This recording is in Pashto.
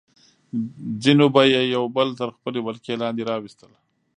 ځینو به یې یو بل تر خپلې ولکې لاندې راوستل.